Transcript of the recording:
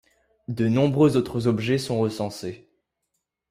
De nombreux autres objets sont recensés.